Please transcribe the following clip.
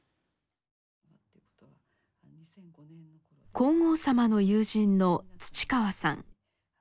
皇后さまの友人の土川さん。